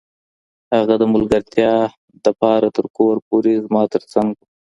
هغه د ملګرتیا دپاره تر کوره پوري زما تر څنګ و.